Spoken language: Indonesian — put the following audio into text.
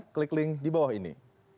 klik link di bawah ini